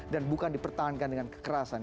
dan bukan dipertahankan dengan kekerasan